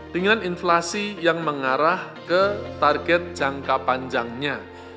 dengan inflasi yang mengarah ke target jangka panjangnya